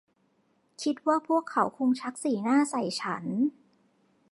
คิดว่าพวกเขาคงชักสีหน้าใส่ฉัน